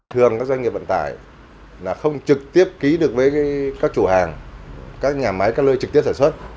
thường các doanh nghiệp vận tải là không trực tiếp ký được với các chủ hàng các nhà máy các lơi trực tiếp sản xuất